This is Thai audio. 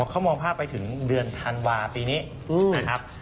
เขามองภาพไปถึงเดือนธันวาปีนี้นะครับ